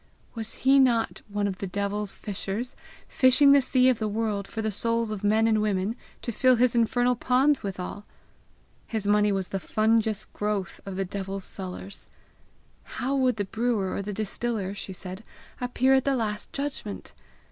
Was he not one of the devil's fishers, fishing the sea of the world for the souls of men and women to fill his infernal ponds withal! His money was the fungous growth of the devil's cellars. How would the brewer or the distiller, she said, appear at the last judgment!